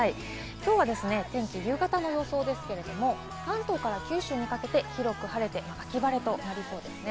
きょうは夕方の予想ですが、関東から九州にかけて広く晴れて、秋晴れとなりそうですね。